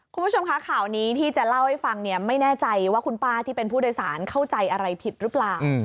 คุณผู้ชมคะข่าวนี้ที่จะเล่าให้ฟังเนี่ยไม่แน่ใจว่าคุณป้าที่เป็นผู้โดยสารเข้าใจอะไรผิดหรือเปล่า